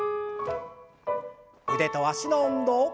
腕と脚の運動。